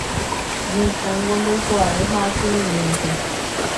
Mitãngo ndoikuaái ha okirirĩnte.